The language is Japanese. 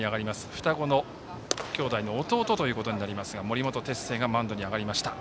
双子の兄弟の弟となりますが森本哲星がマウンドに上がりました。